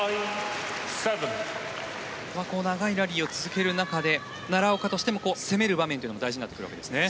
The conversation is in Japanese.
長いラリーを続ける中で奈良岡としても攻める場面というのも大事になってくるんですね。